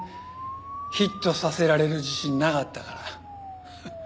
ヒットさせられる自信なかったから。